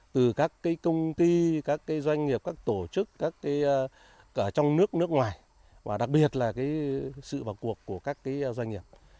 từ các công ty các doanh nghiệp các tổ chức ở trong nước nước ngoài và đặc biệt là sự vào cuộc của các doanh nghiệp